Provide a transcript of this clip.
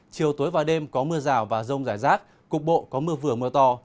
chiều tối và đêm có mưa rào và rông rải rác cục bộ có mưa vừa mưa to